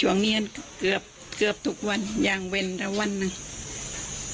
ช่วงนี้เกือบทุกวันอย่างเว่นละวันหนึ่ง